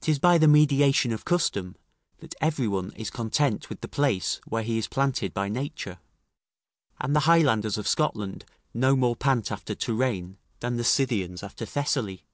'Tis by the mediation of custom, that every one is content with the place where he is planted by nature; and the Highlanders of Scotland no more pant after Touraine; than the Scythians after Thessaly.